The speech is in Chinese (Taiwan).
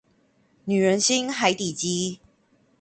女人心海底雞